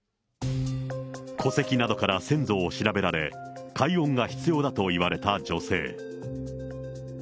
戸籍などから先祖を調べられ、解怨が必要だと言われた女性。